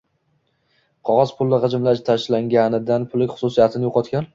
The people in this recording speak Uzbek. Qogʻoz pul gʻijimlab tashlanganidan pullik xususiyatini yoʻqotgan